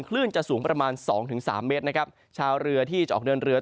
คลื่นจะสูงประมาณสองถึงสามเมตรนะครับชาวเรือที่จะออกเดินเรือ